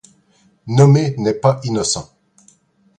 Nommer n’est pas innocent.